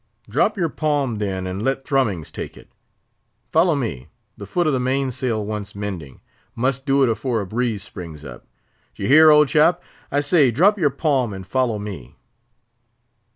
"Drop your 'palm,' then and let Thrummings take it; follow me—the foot of the main sail wants mending—must do it afore a breeze springs up. D'ye hear, old chap! I say, drop your palm, and follow me."